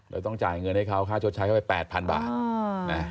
เราต้องจ่ายเงินให้เขาค่าชดใช้เข้าไปแปดพันบาท